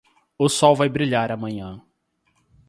O sol vai brilhar amanhã.